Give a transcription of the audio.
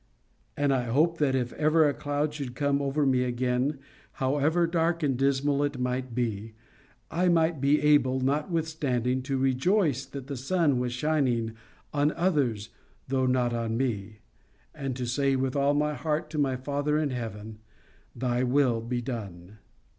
And I hoped that if ever a cloud should come over me again, however dark and dismal it might be, I might be able, notwithstanding, to rejoice that the sun was shining on others though not on me, and to say with all my heart to my Father in heaven, "Thy will be done."